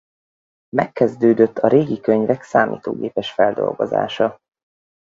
Megkezdődött a régi könyvek számítógépes feldolgozása.